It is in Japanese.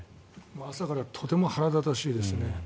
朝からとても腹立たしいですね。